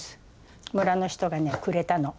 村の人がねくれたの。